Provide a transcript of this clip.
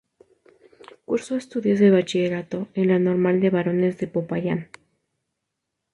Cursó estudios de bachillerato en la Normal de Varones de Popayán.